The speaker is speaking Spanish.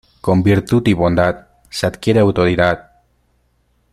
Con virtud y bondad se adquiere autoridad.